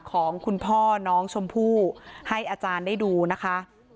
ของคุณพ่อน้องชมพู่ให้อาจารย์ได้ดูนะคะ